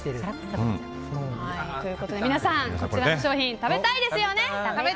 皆さん、こちらの商品食べたい！